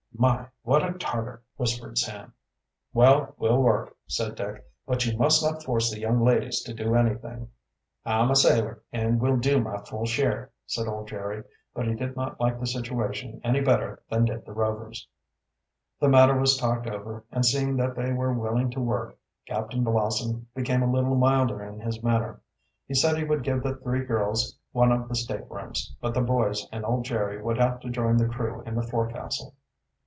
"My, what a Tarter!" whispered Sam. "Well, we'll work," said Dick. "But you must not force the young ladies to do anything." "I'm a sailor and will do my full share," said old Jerry. But he did not like the situation any better than did the Rovers. The matter was talked over, and seeing that they were willing to work, Captain Blossom became a little milder in his manner. He said he would give the three girls one of the staterooms, but the boys and old Jerry would have to join the crew in the forecastle.